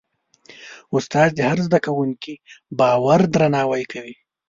استاد د هر زده کوونکي باور درناوی کوي.